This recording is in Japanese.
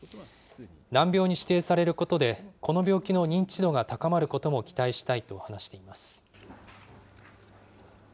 難病に指定されることで、この病気の認知度が高まることも期待したいと話しています。